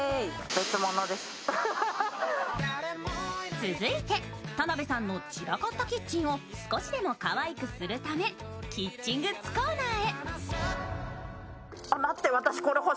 続いて、田辺さんの散らかったキッチンを少しでもかわいくするためキッチングッズコーナーへ。